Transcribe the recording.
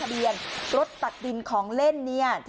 เบียนรถตักดินของเล่นเนี่ย